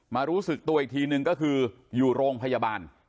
รู้สึกตัวอีกทีนึงก็คืออยู่โรงพยาบาล